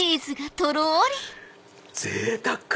ぜいたく！